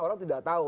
orang tidak tahu